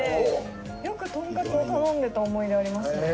よくとんかつを頼んでた思い出ありますね。